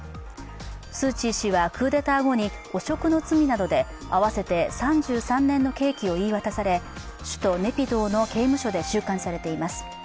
スー・チー氏は、クーデター後に汚職の罪などで合わせて３３年の刑期を言い渡され、首都ネピドーの刑務所で収監されています。